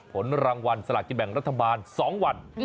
ผลรางวัลสลากินแบ่งรัฐบาล๒วัน